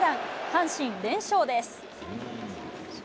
阪神、連勝です。